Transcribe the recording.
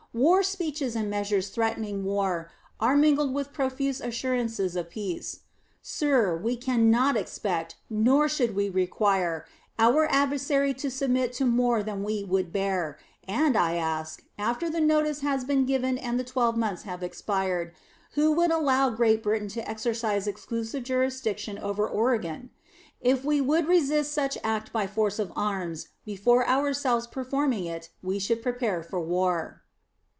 War speeches and measures threatening war are mingled with profuse assurances of peace. Sir, we can not expect, we should not require, our adversary to submit to more than we would bear; and I ask, after the notice has been given and the twelve months have expired, who would allow Great Britain to exercise exclusive jurisdiction over Oregon? If we would resist such act by force of arms, before ourselves performing it we should prepare for war.